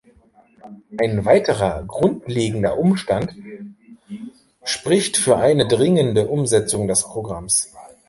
Ein weiterer grundlegender Umstand spricht für eine dringende Umsetzung des Programms.